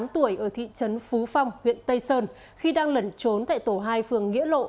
tám tuổi ở thị trấn phú phong huyện tây sơn khi đang lẩn trốn tại tổ hai phường nghĩa lộ